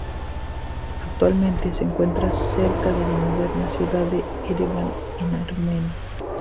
Actualmente se encuentra cerca de la moderna ciudad de Ereván, en Armenia.